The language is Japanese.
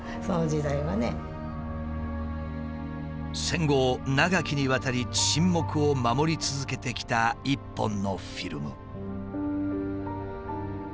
戦後長きにわたり沈黙を守り続けてきた一本のフィルム。